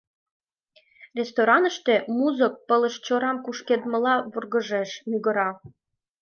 Рестораныште музык пылышчорам кушкедмыла варгыжеш, мӱгыра.